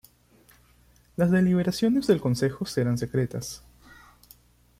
Las deliberaciones del Consejo serán secretas.